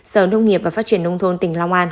sở nông nghiệp và phát triển nông thôn tỉnh long an